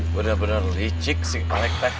bener bener licik si kelek teh